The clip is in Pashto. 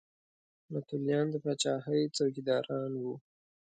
متولیان د پاچاهۍ څوکیداران وو.